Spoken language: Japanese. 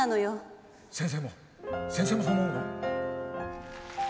先生も先生もそう思うの？